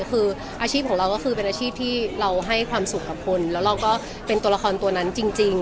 คืออาชีพของเราก็คือเป็นอาชีพที่เราให้ความสุขกับคนแล้วเราก็เป็นตัวละครตัวนั้นจริง